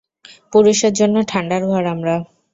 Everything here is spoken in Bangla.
পুরুষের জন্য ঠান্ডার ঘর আমরা।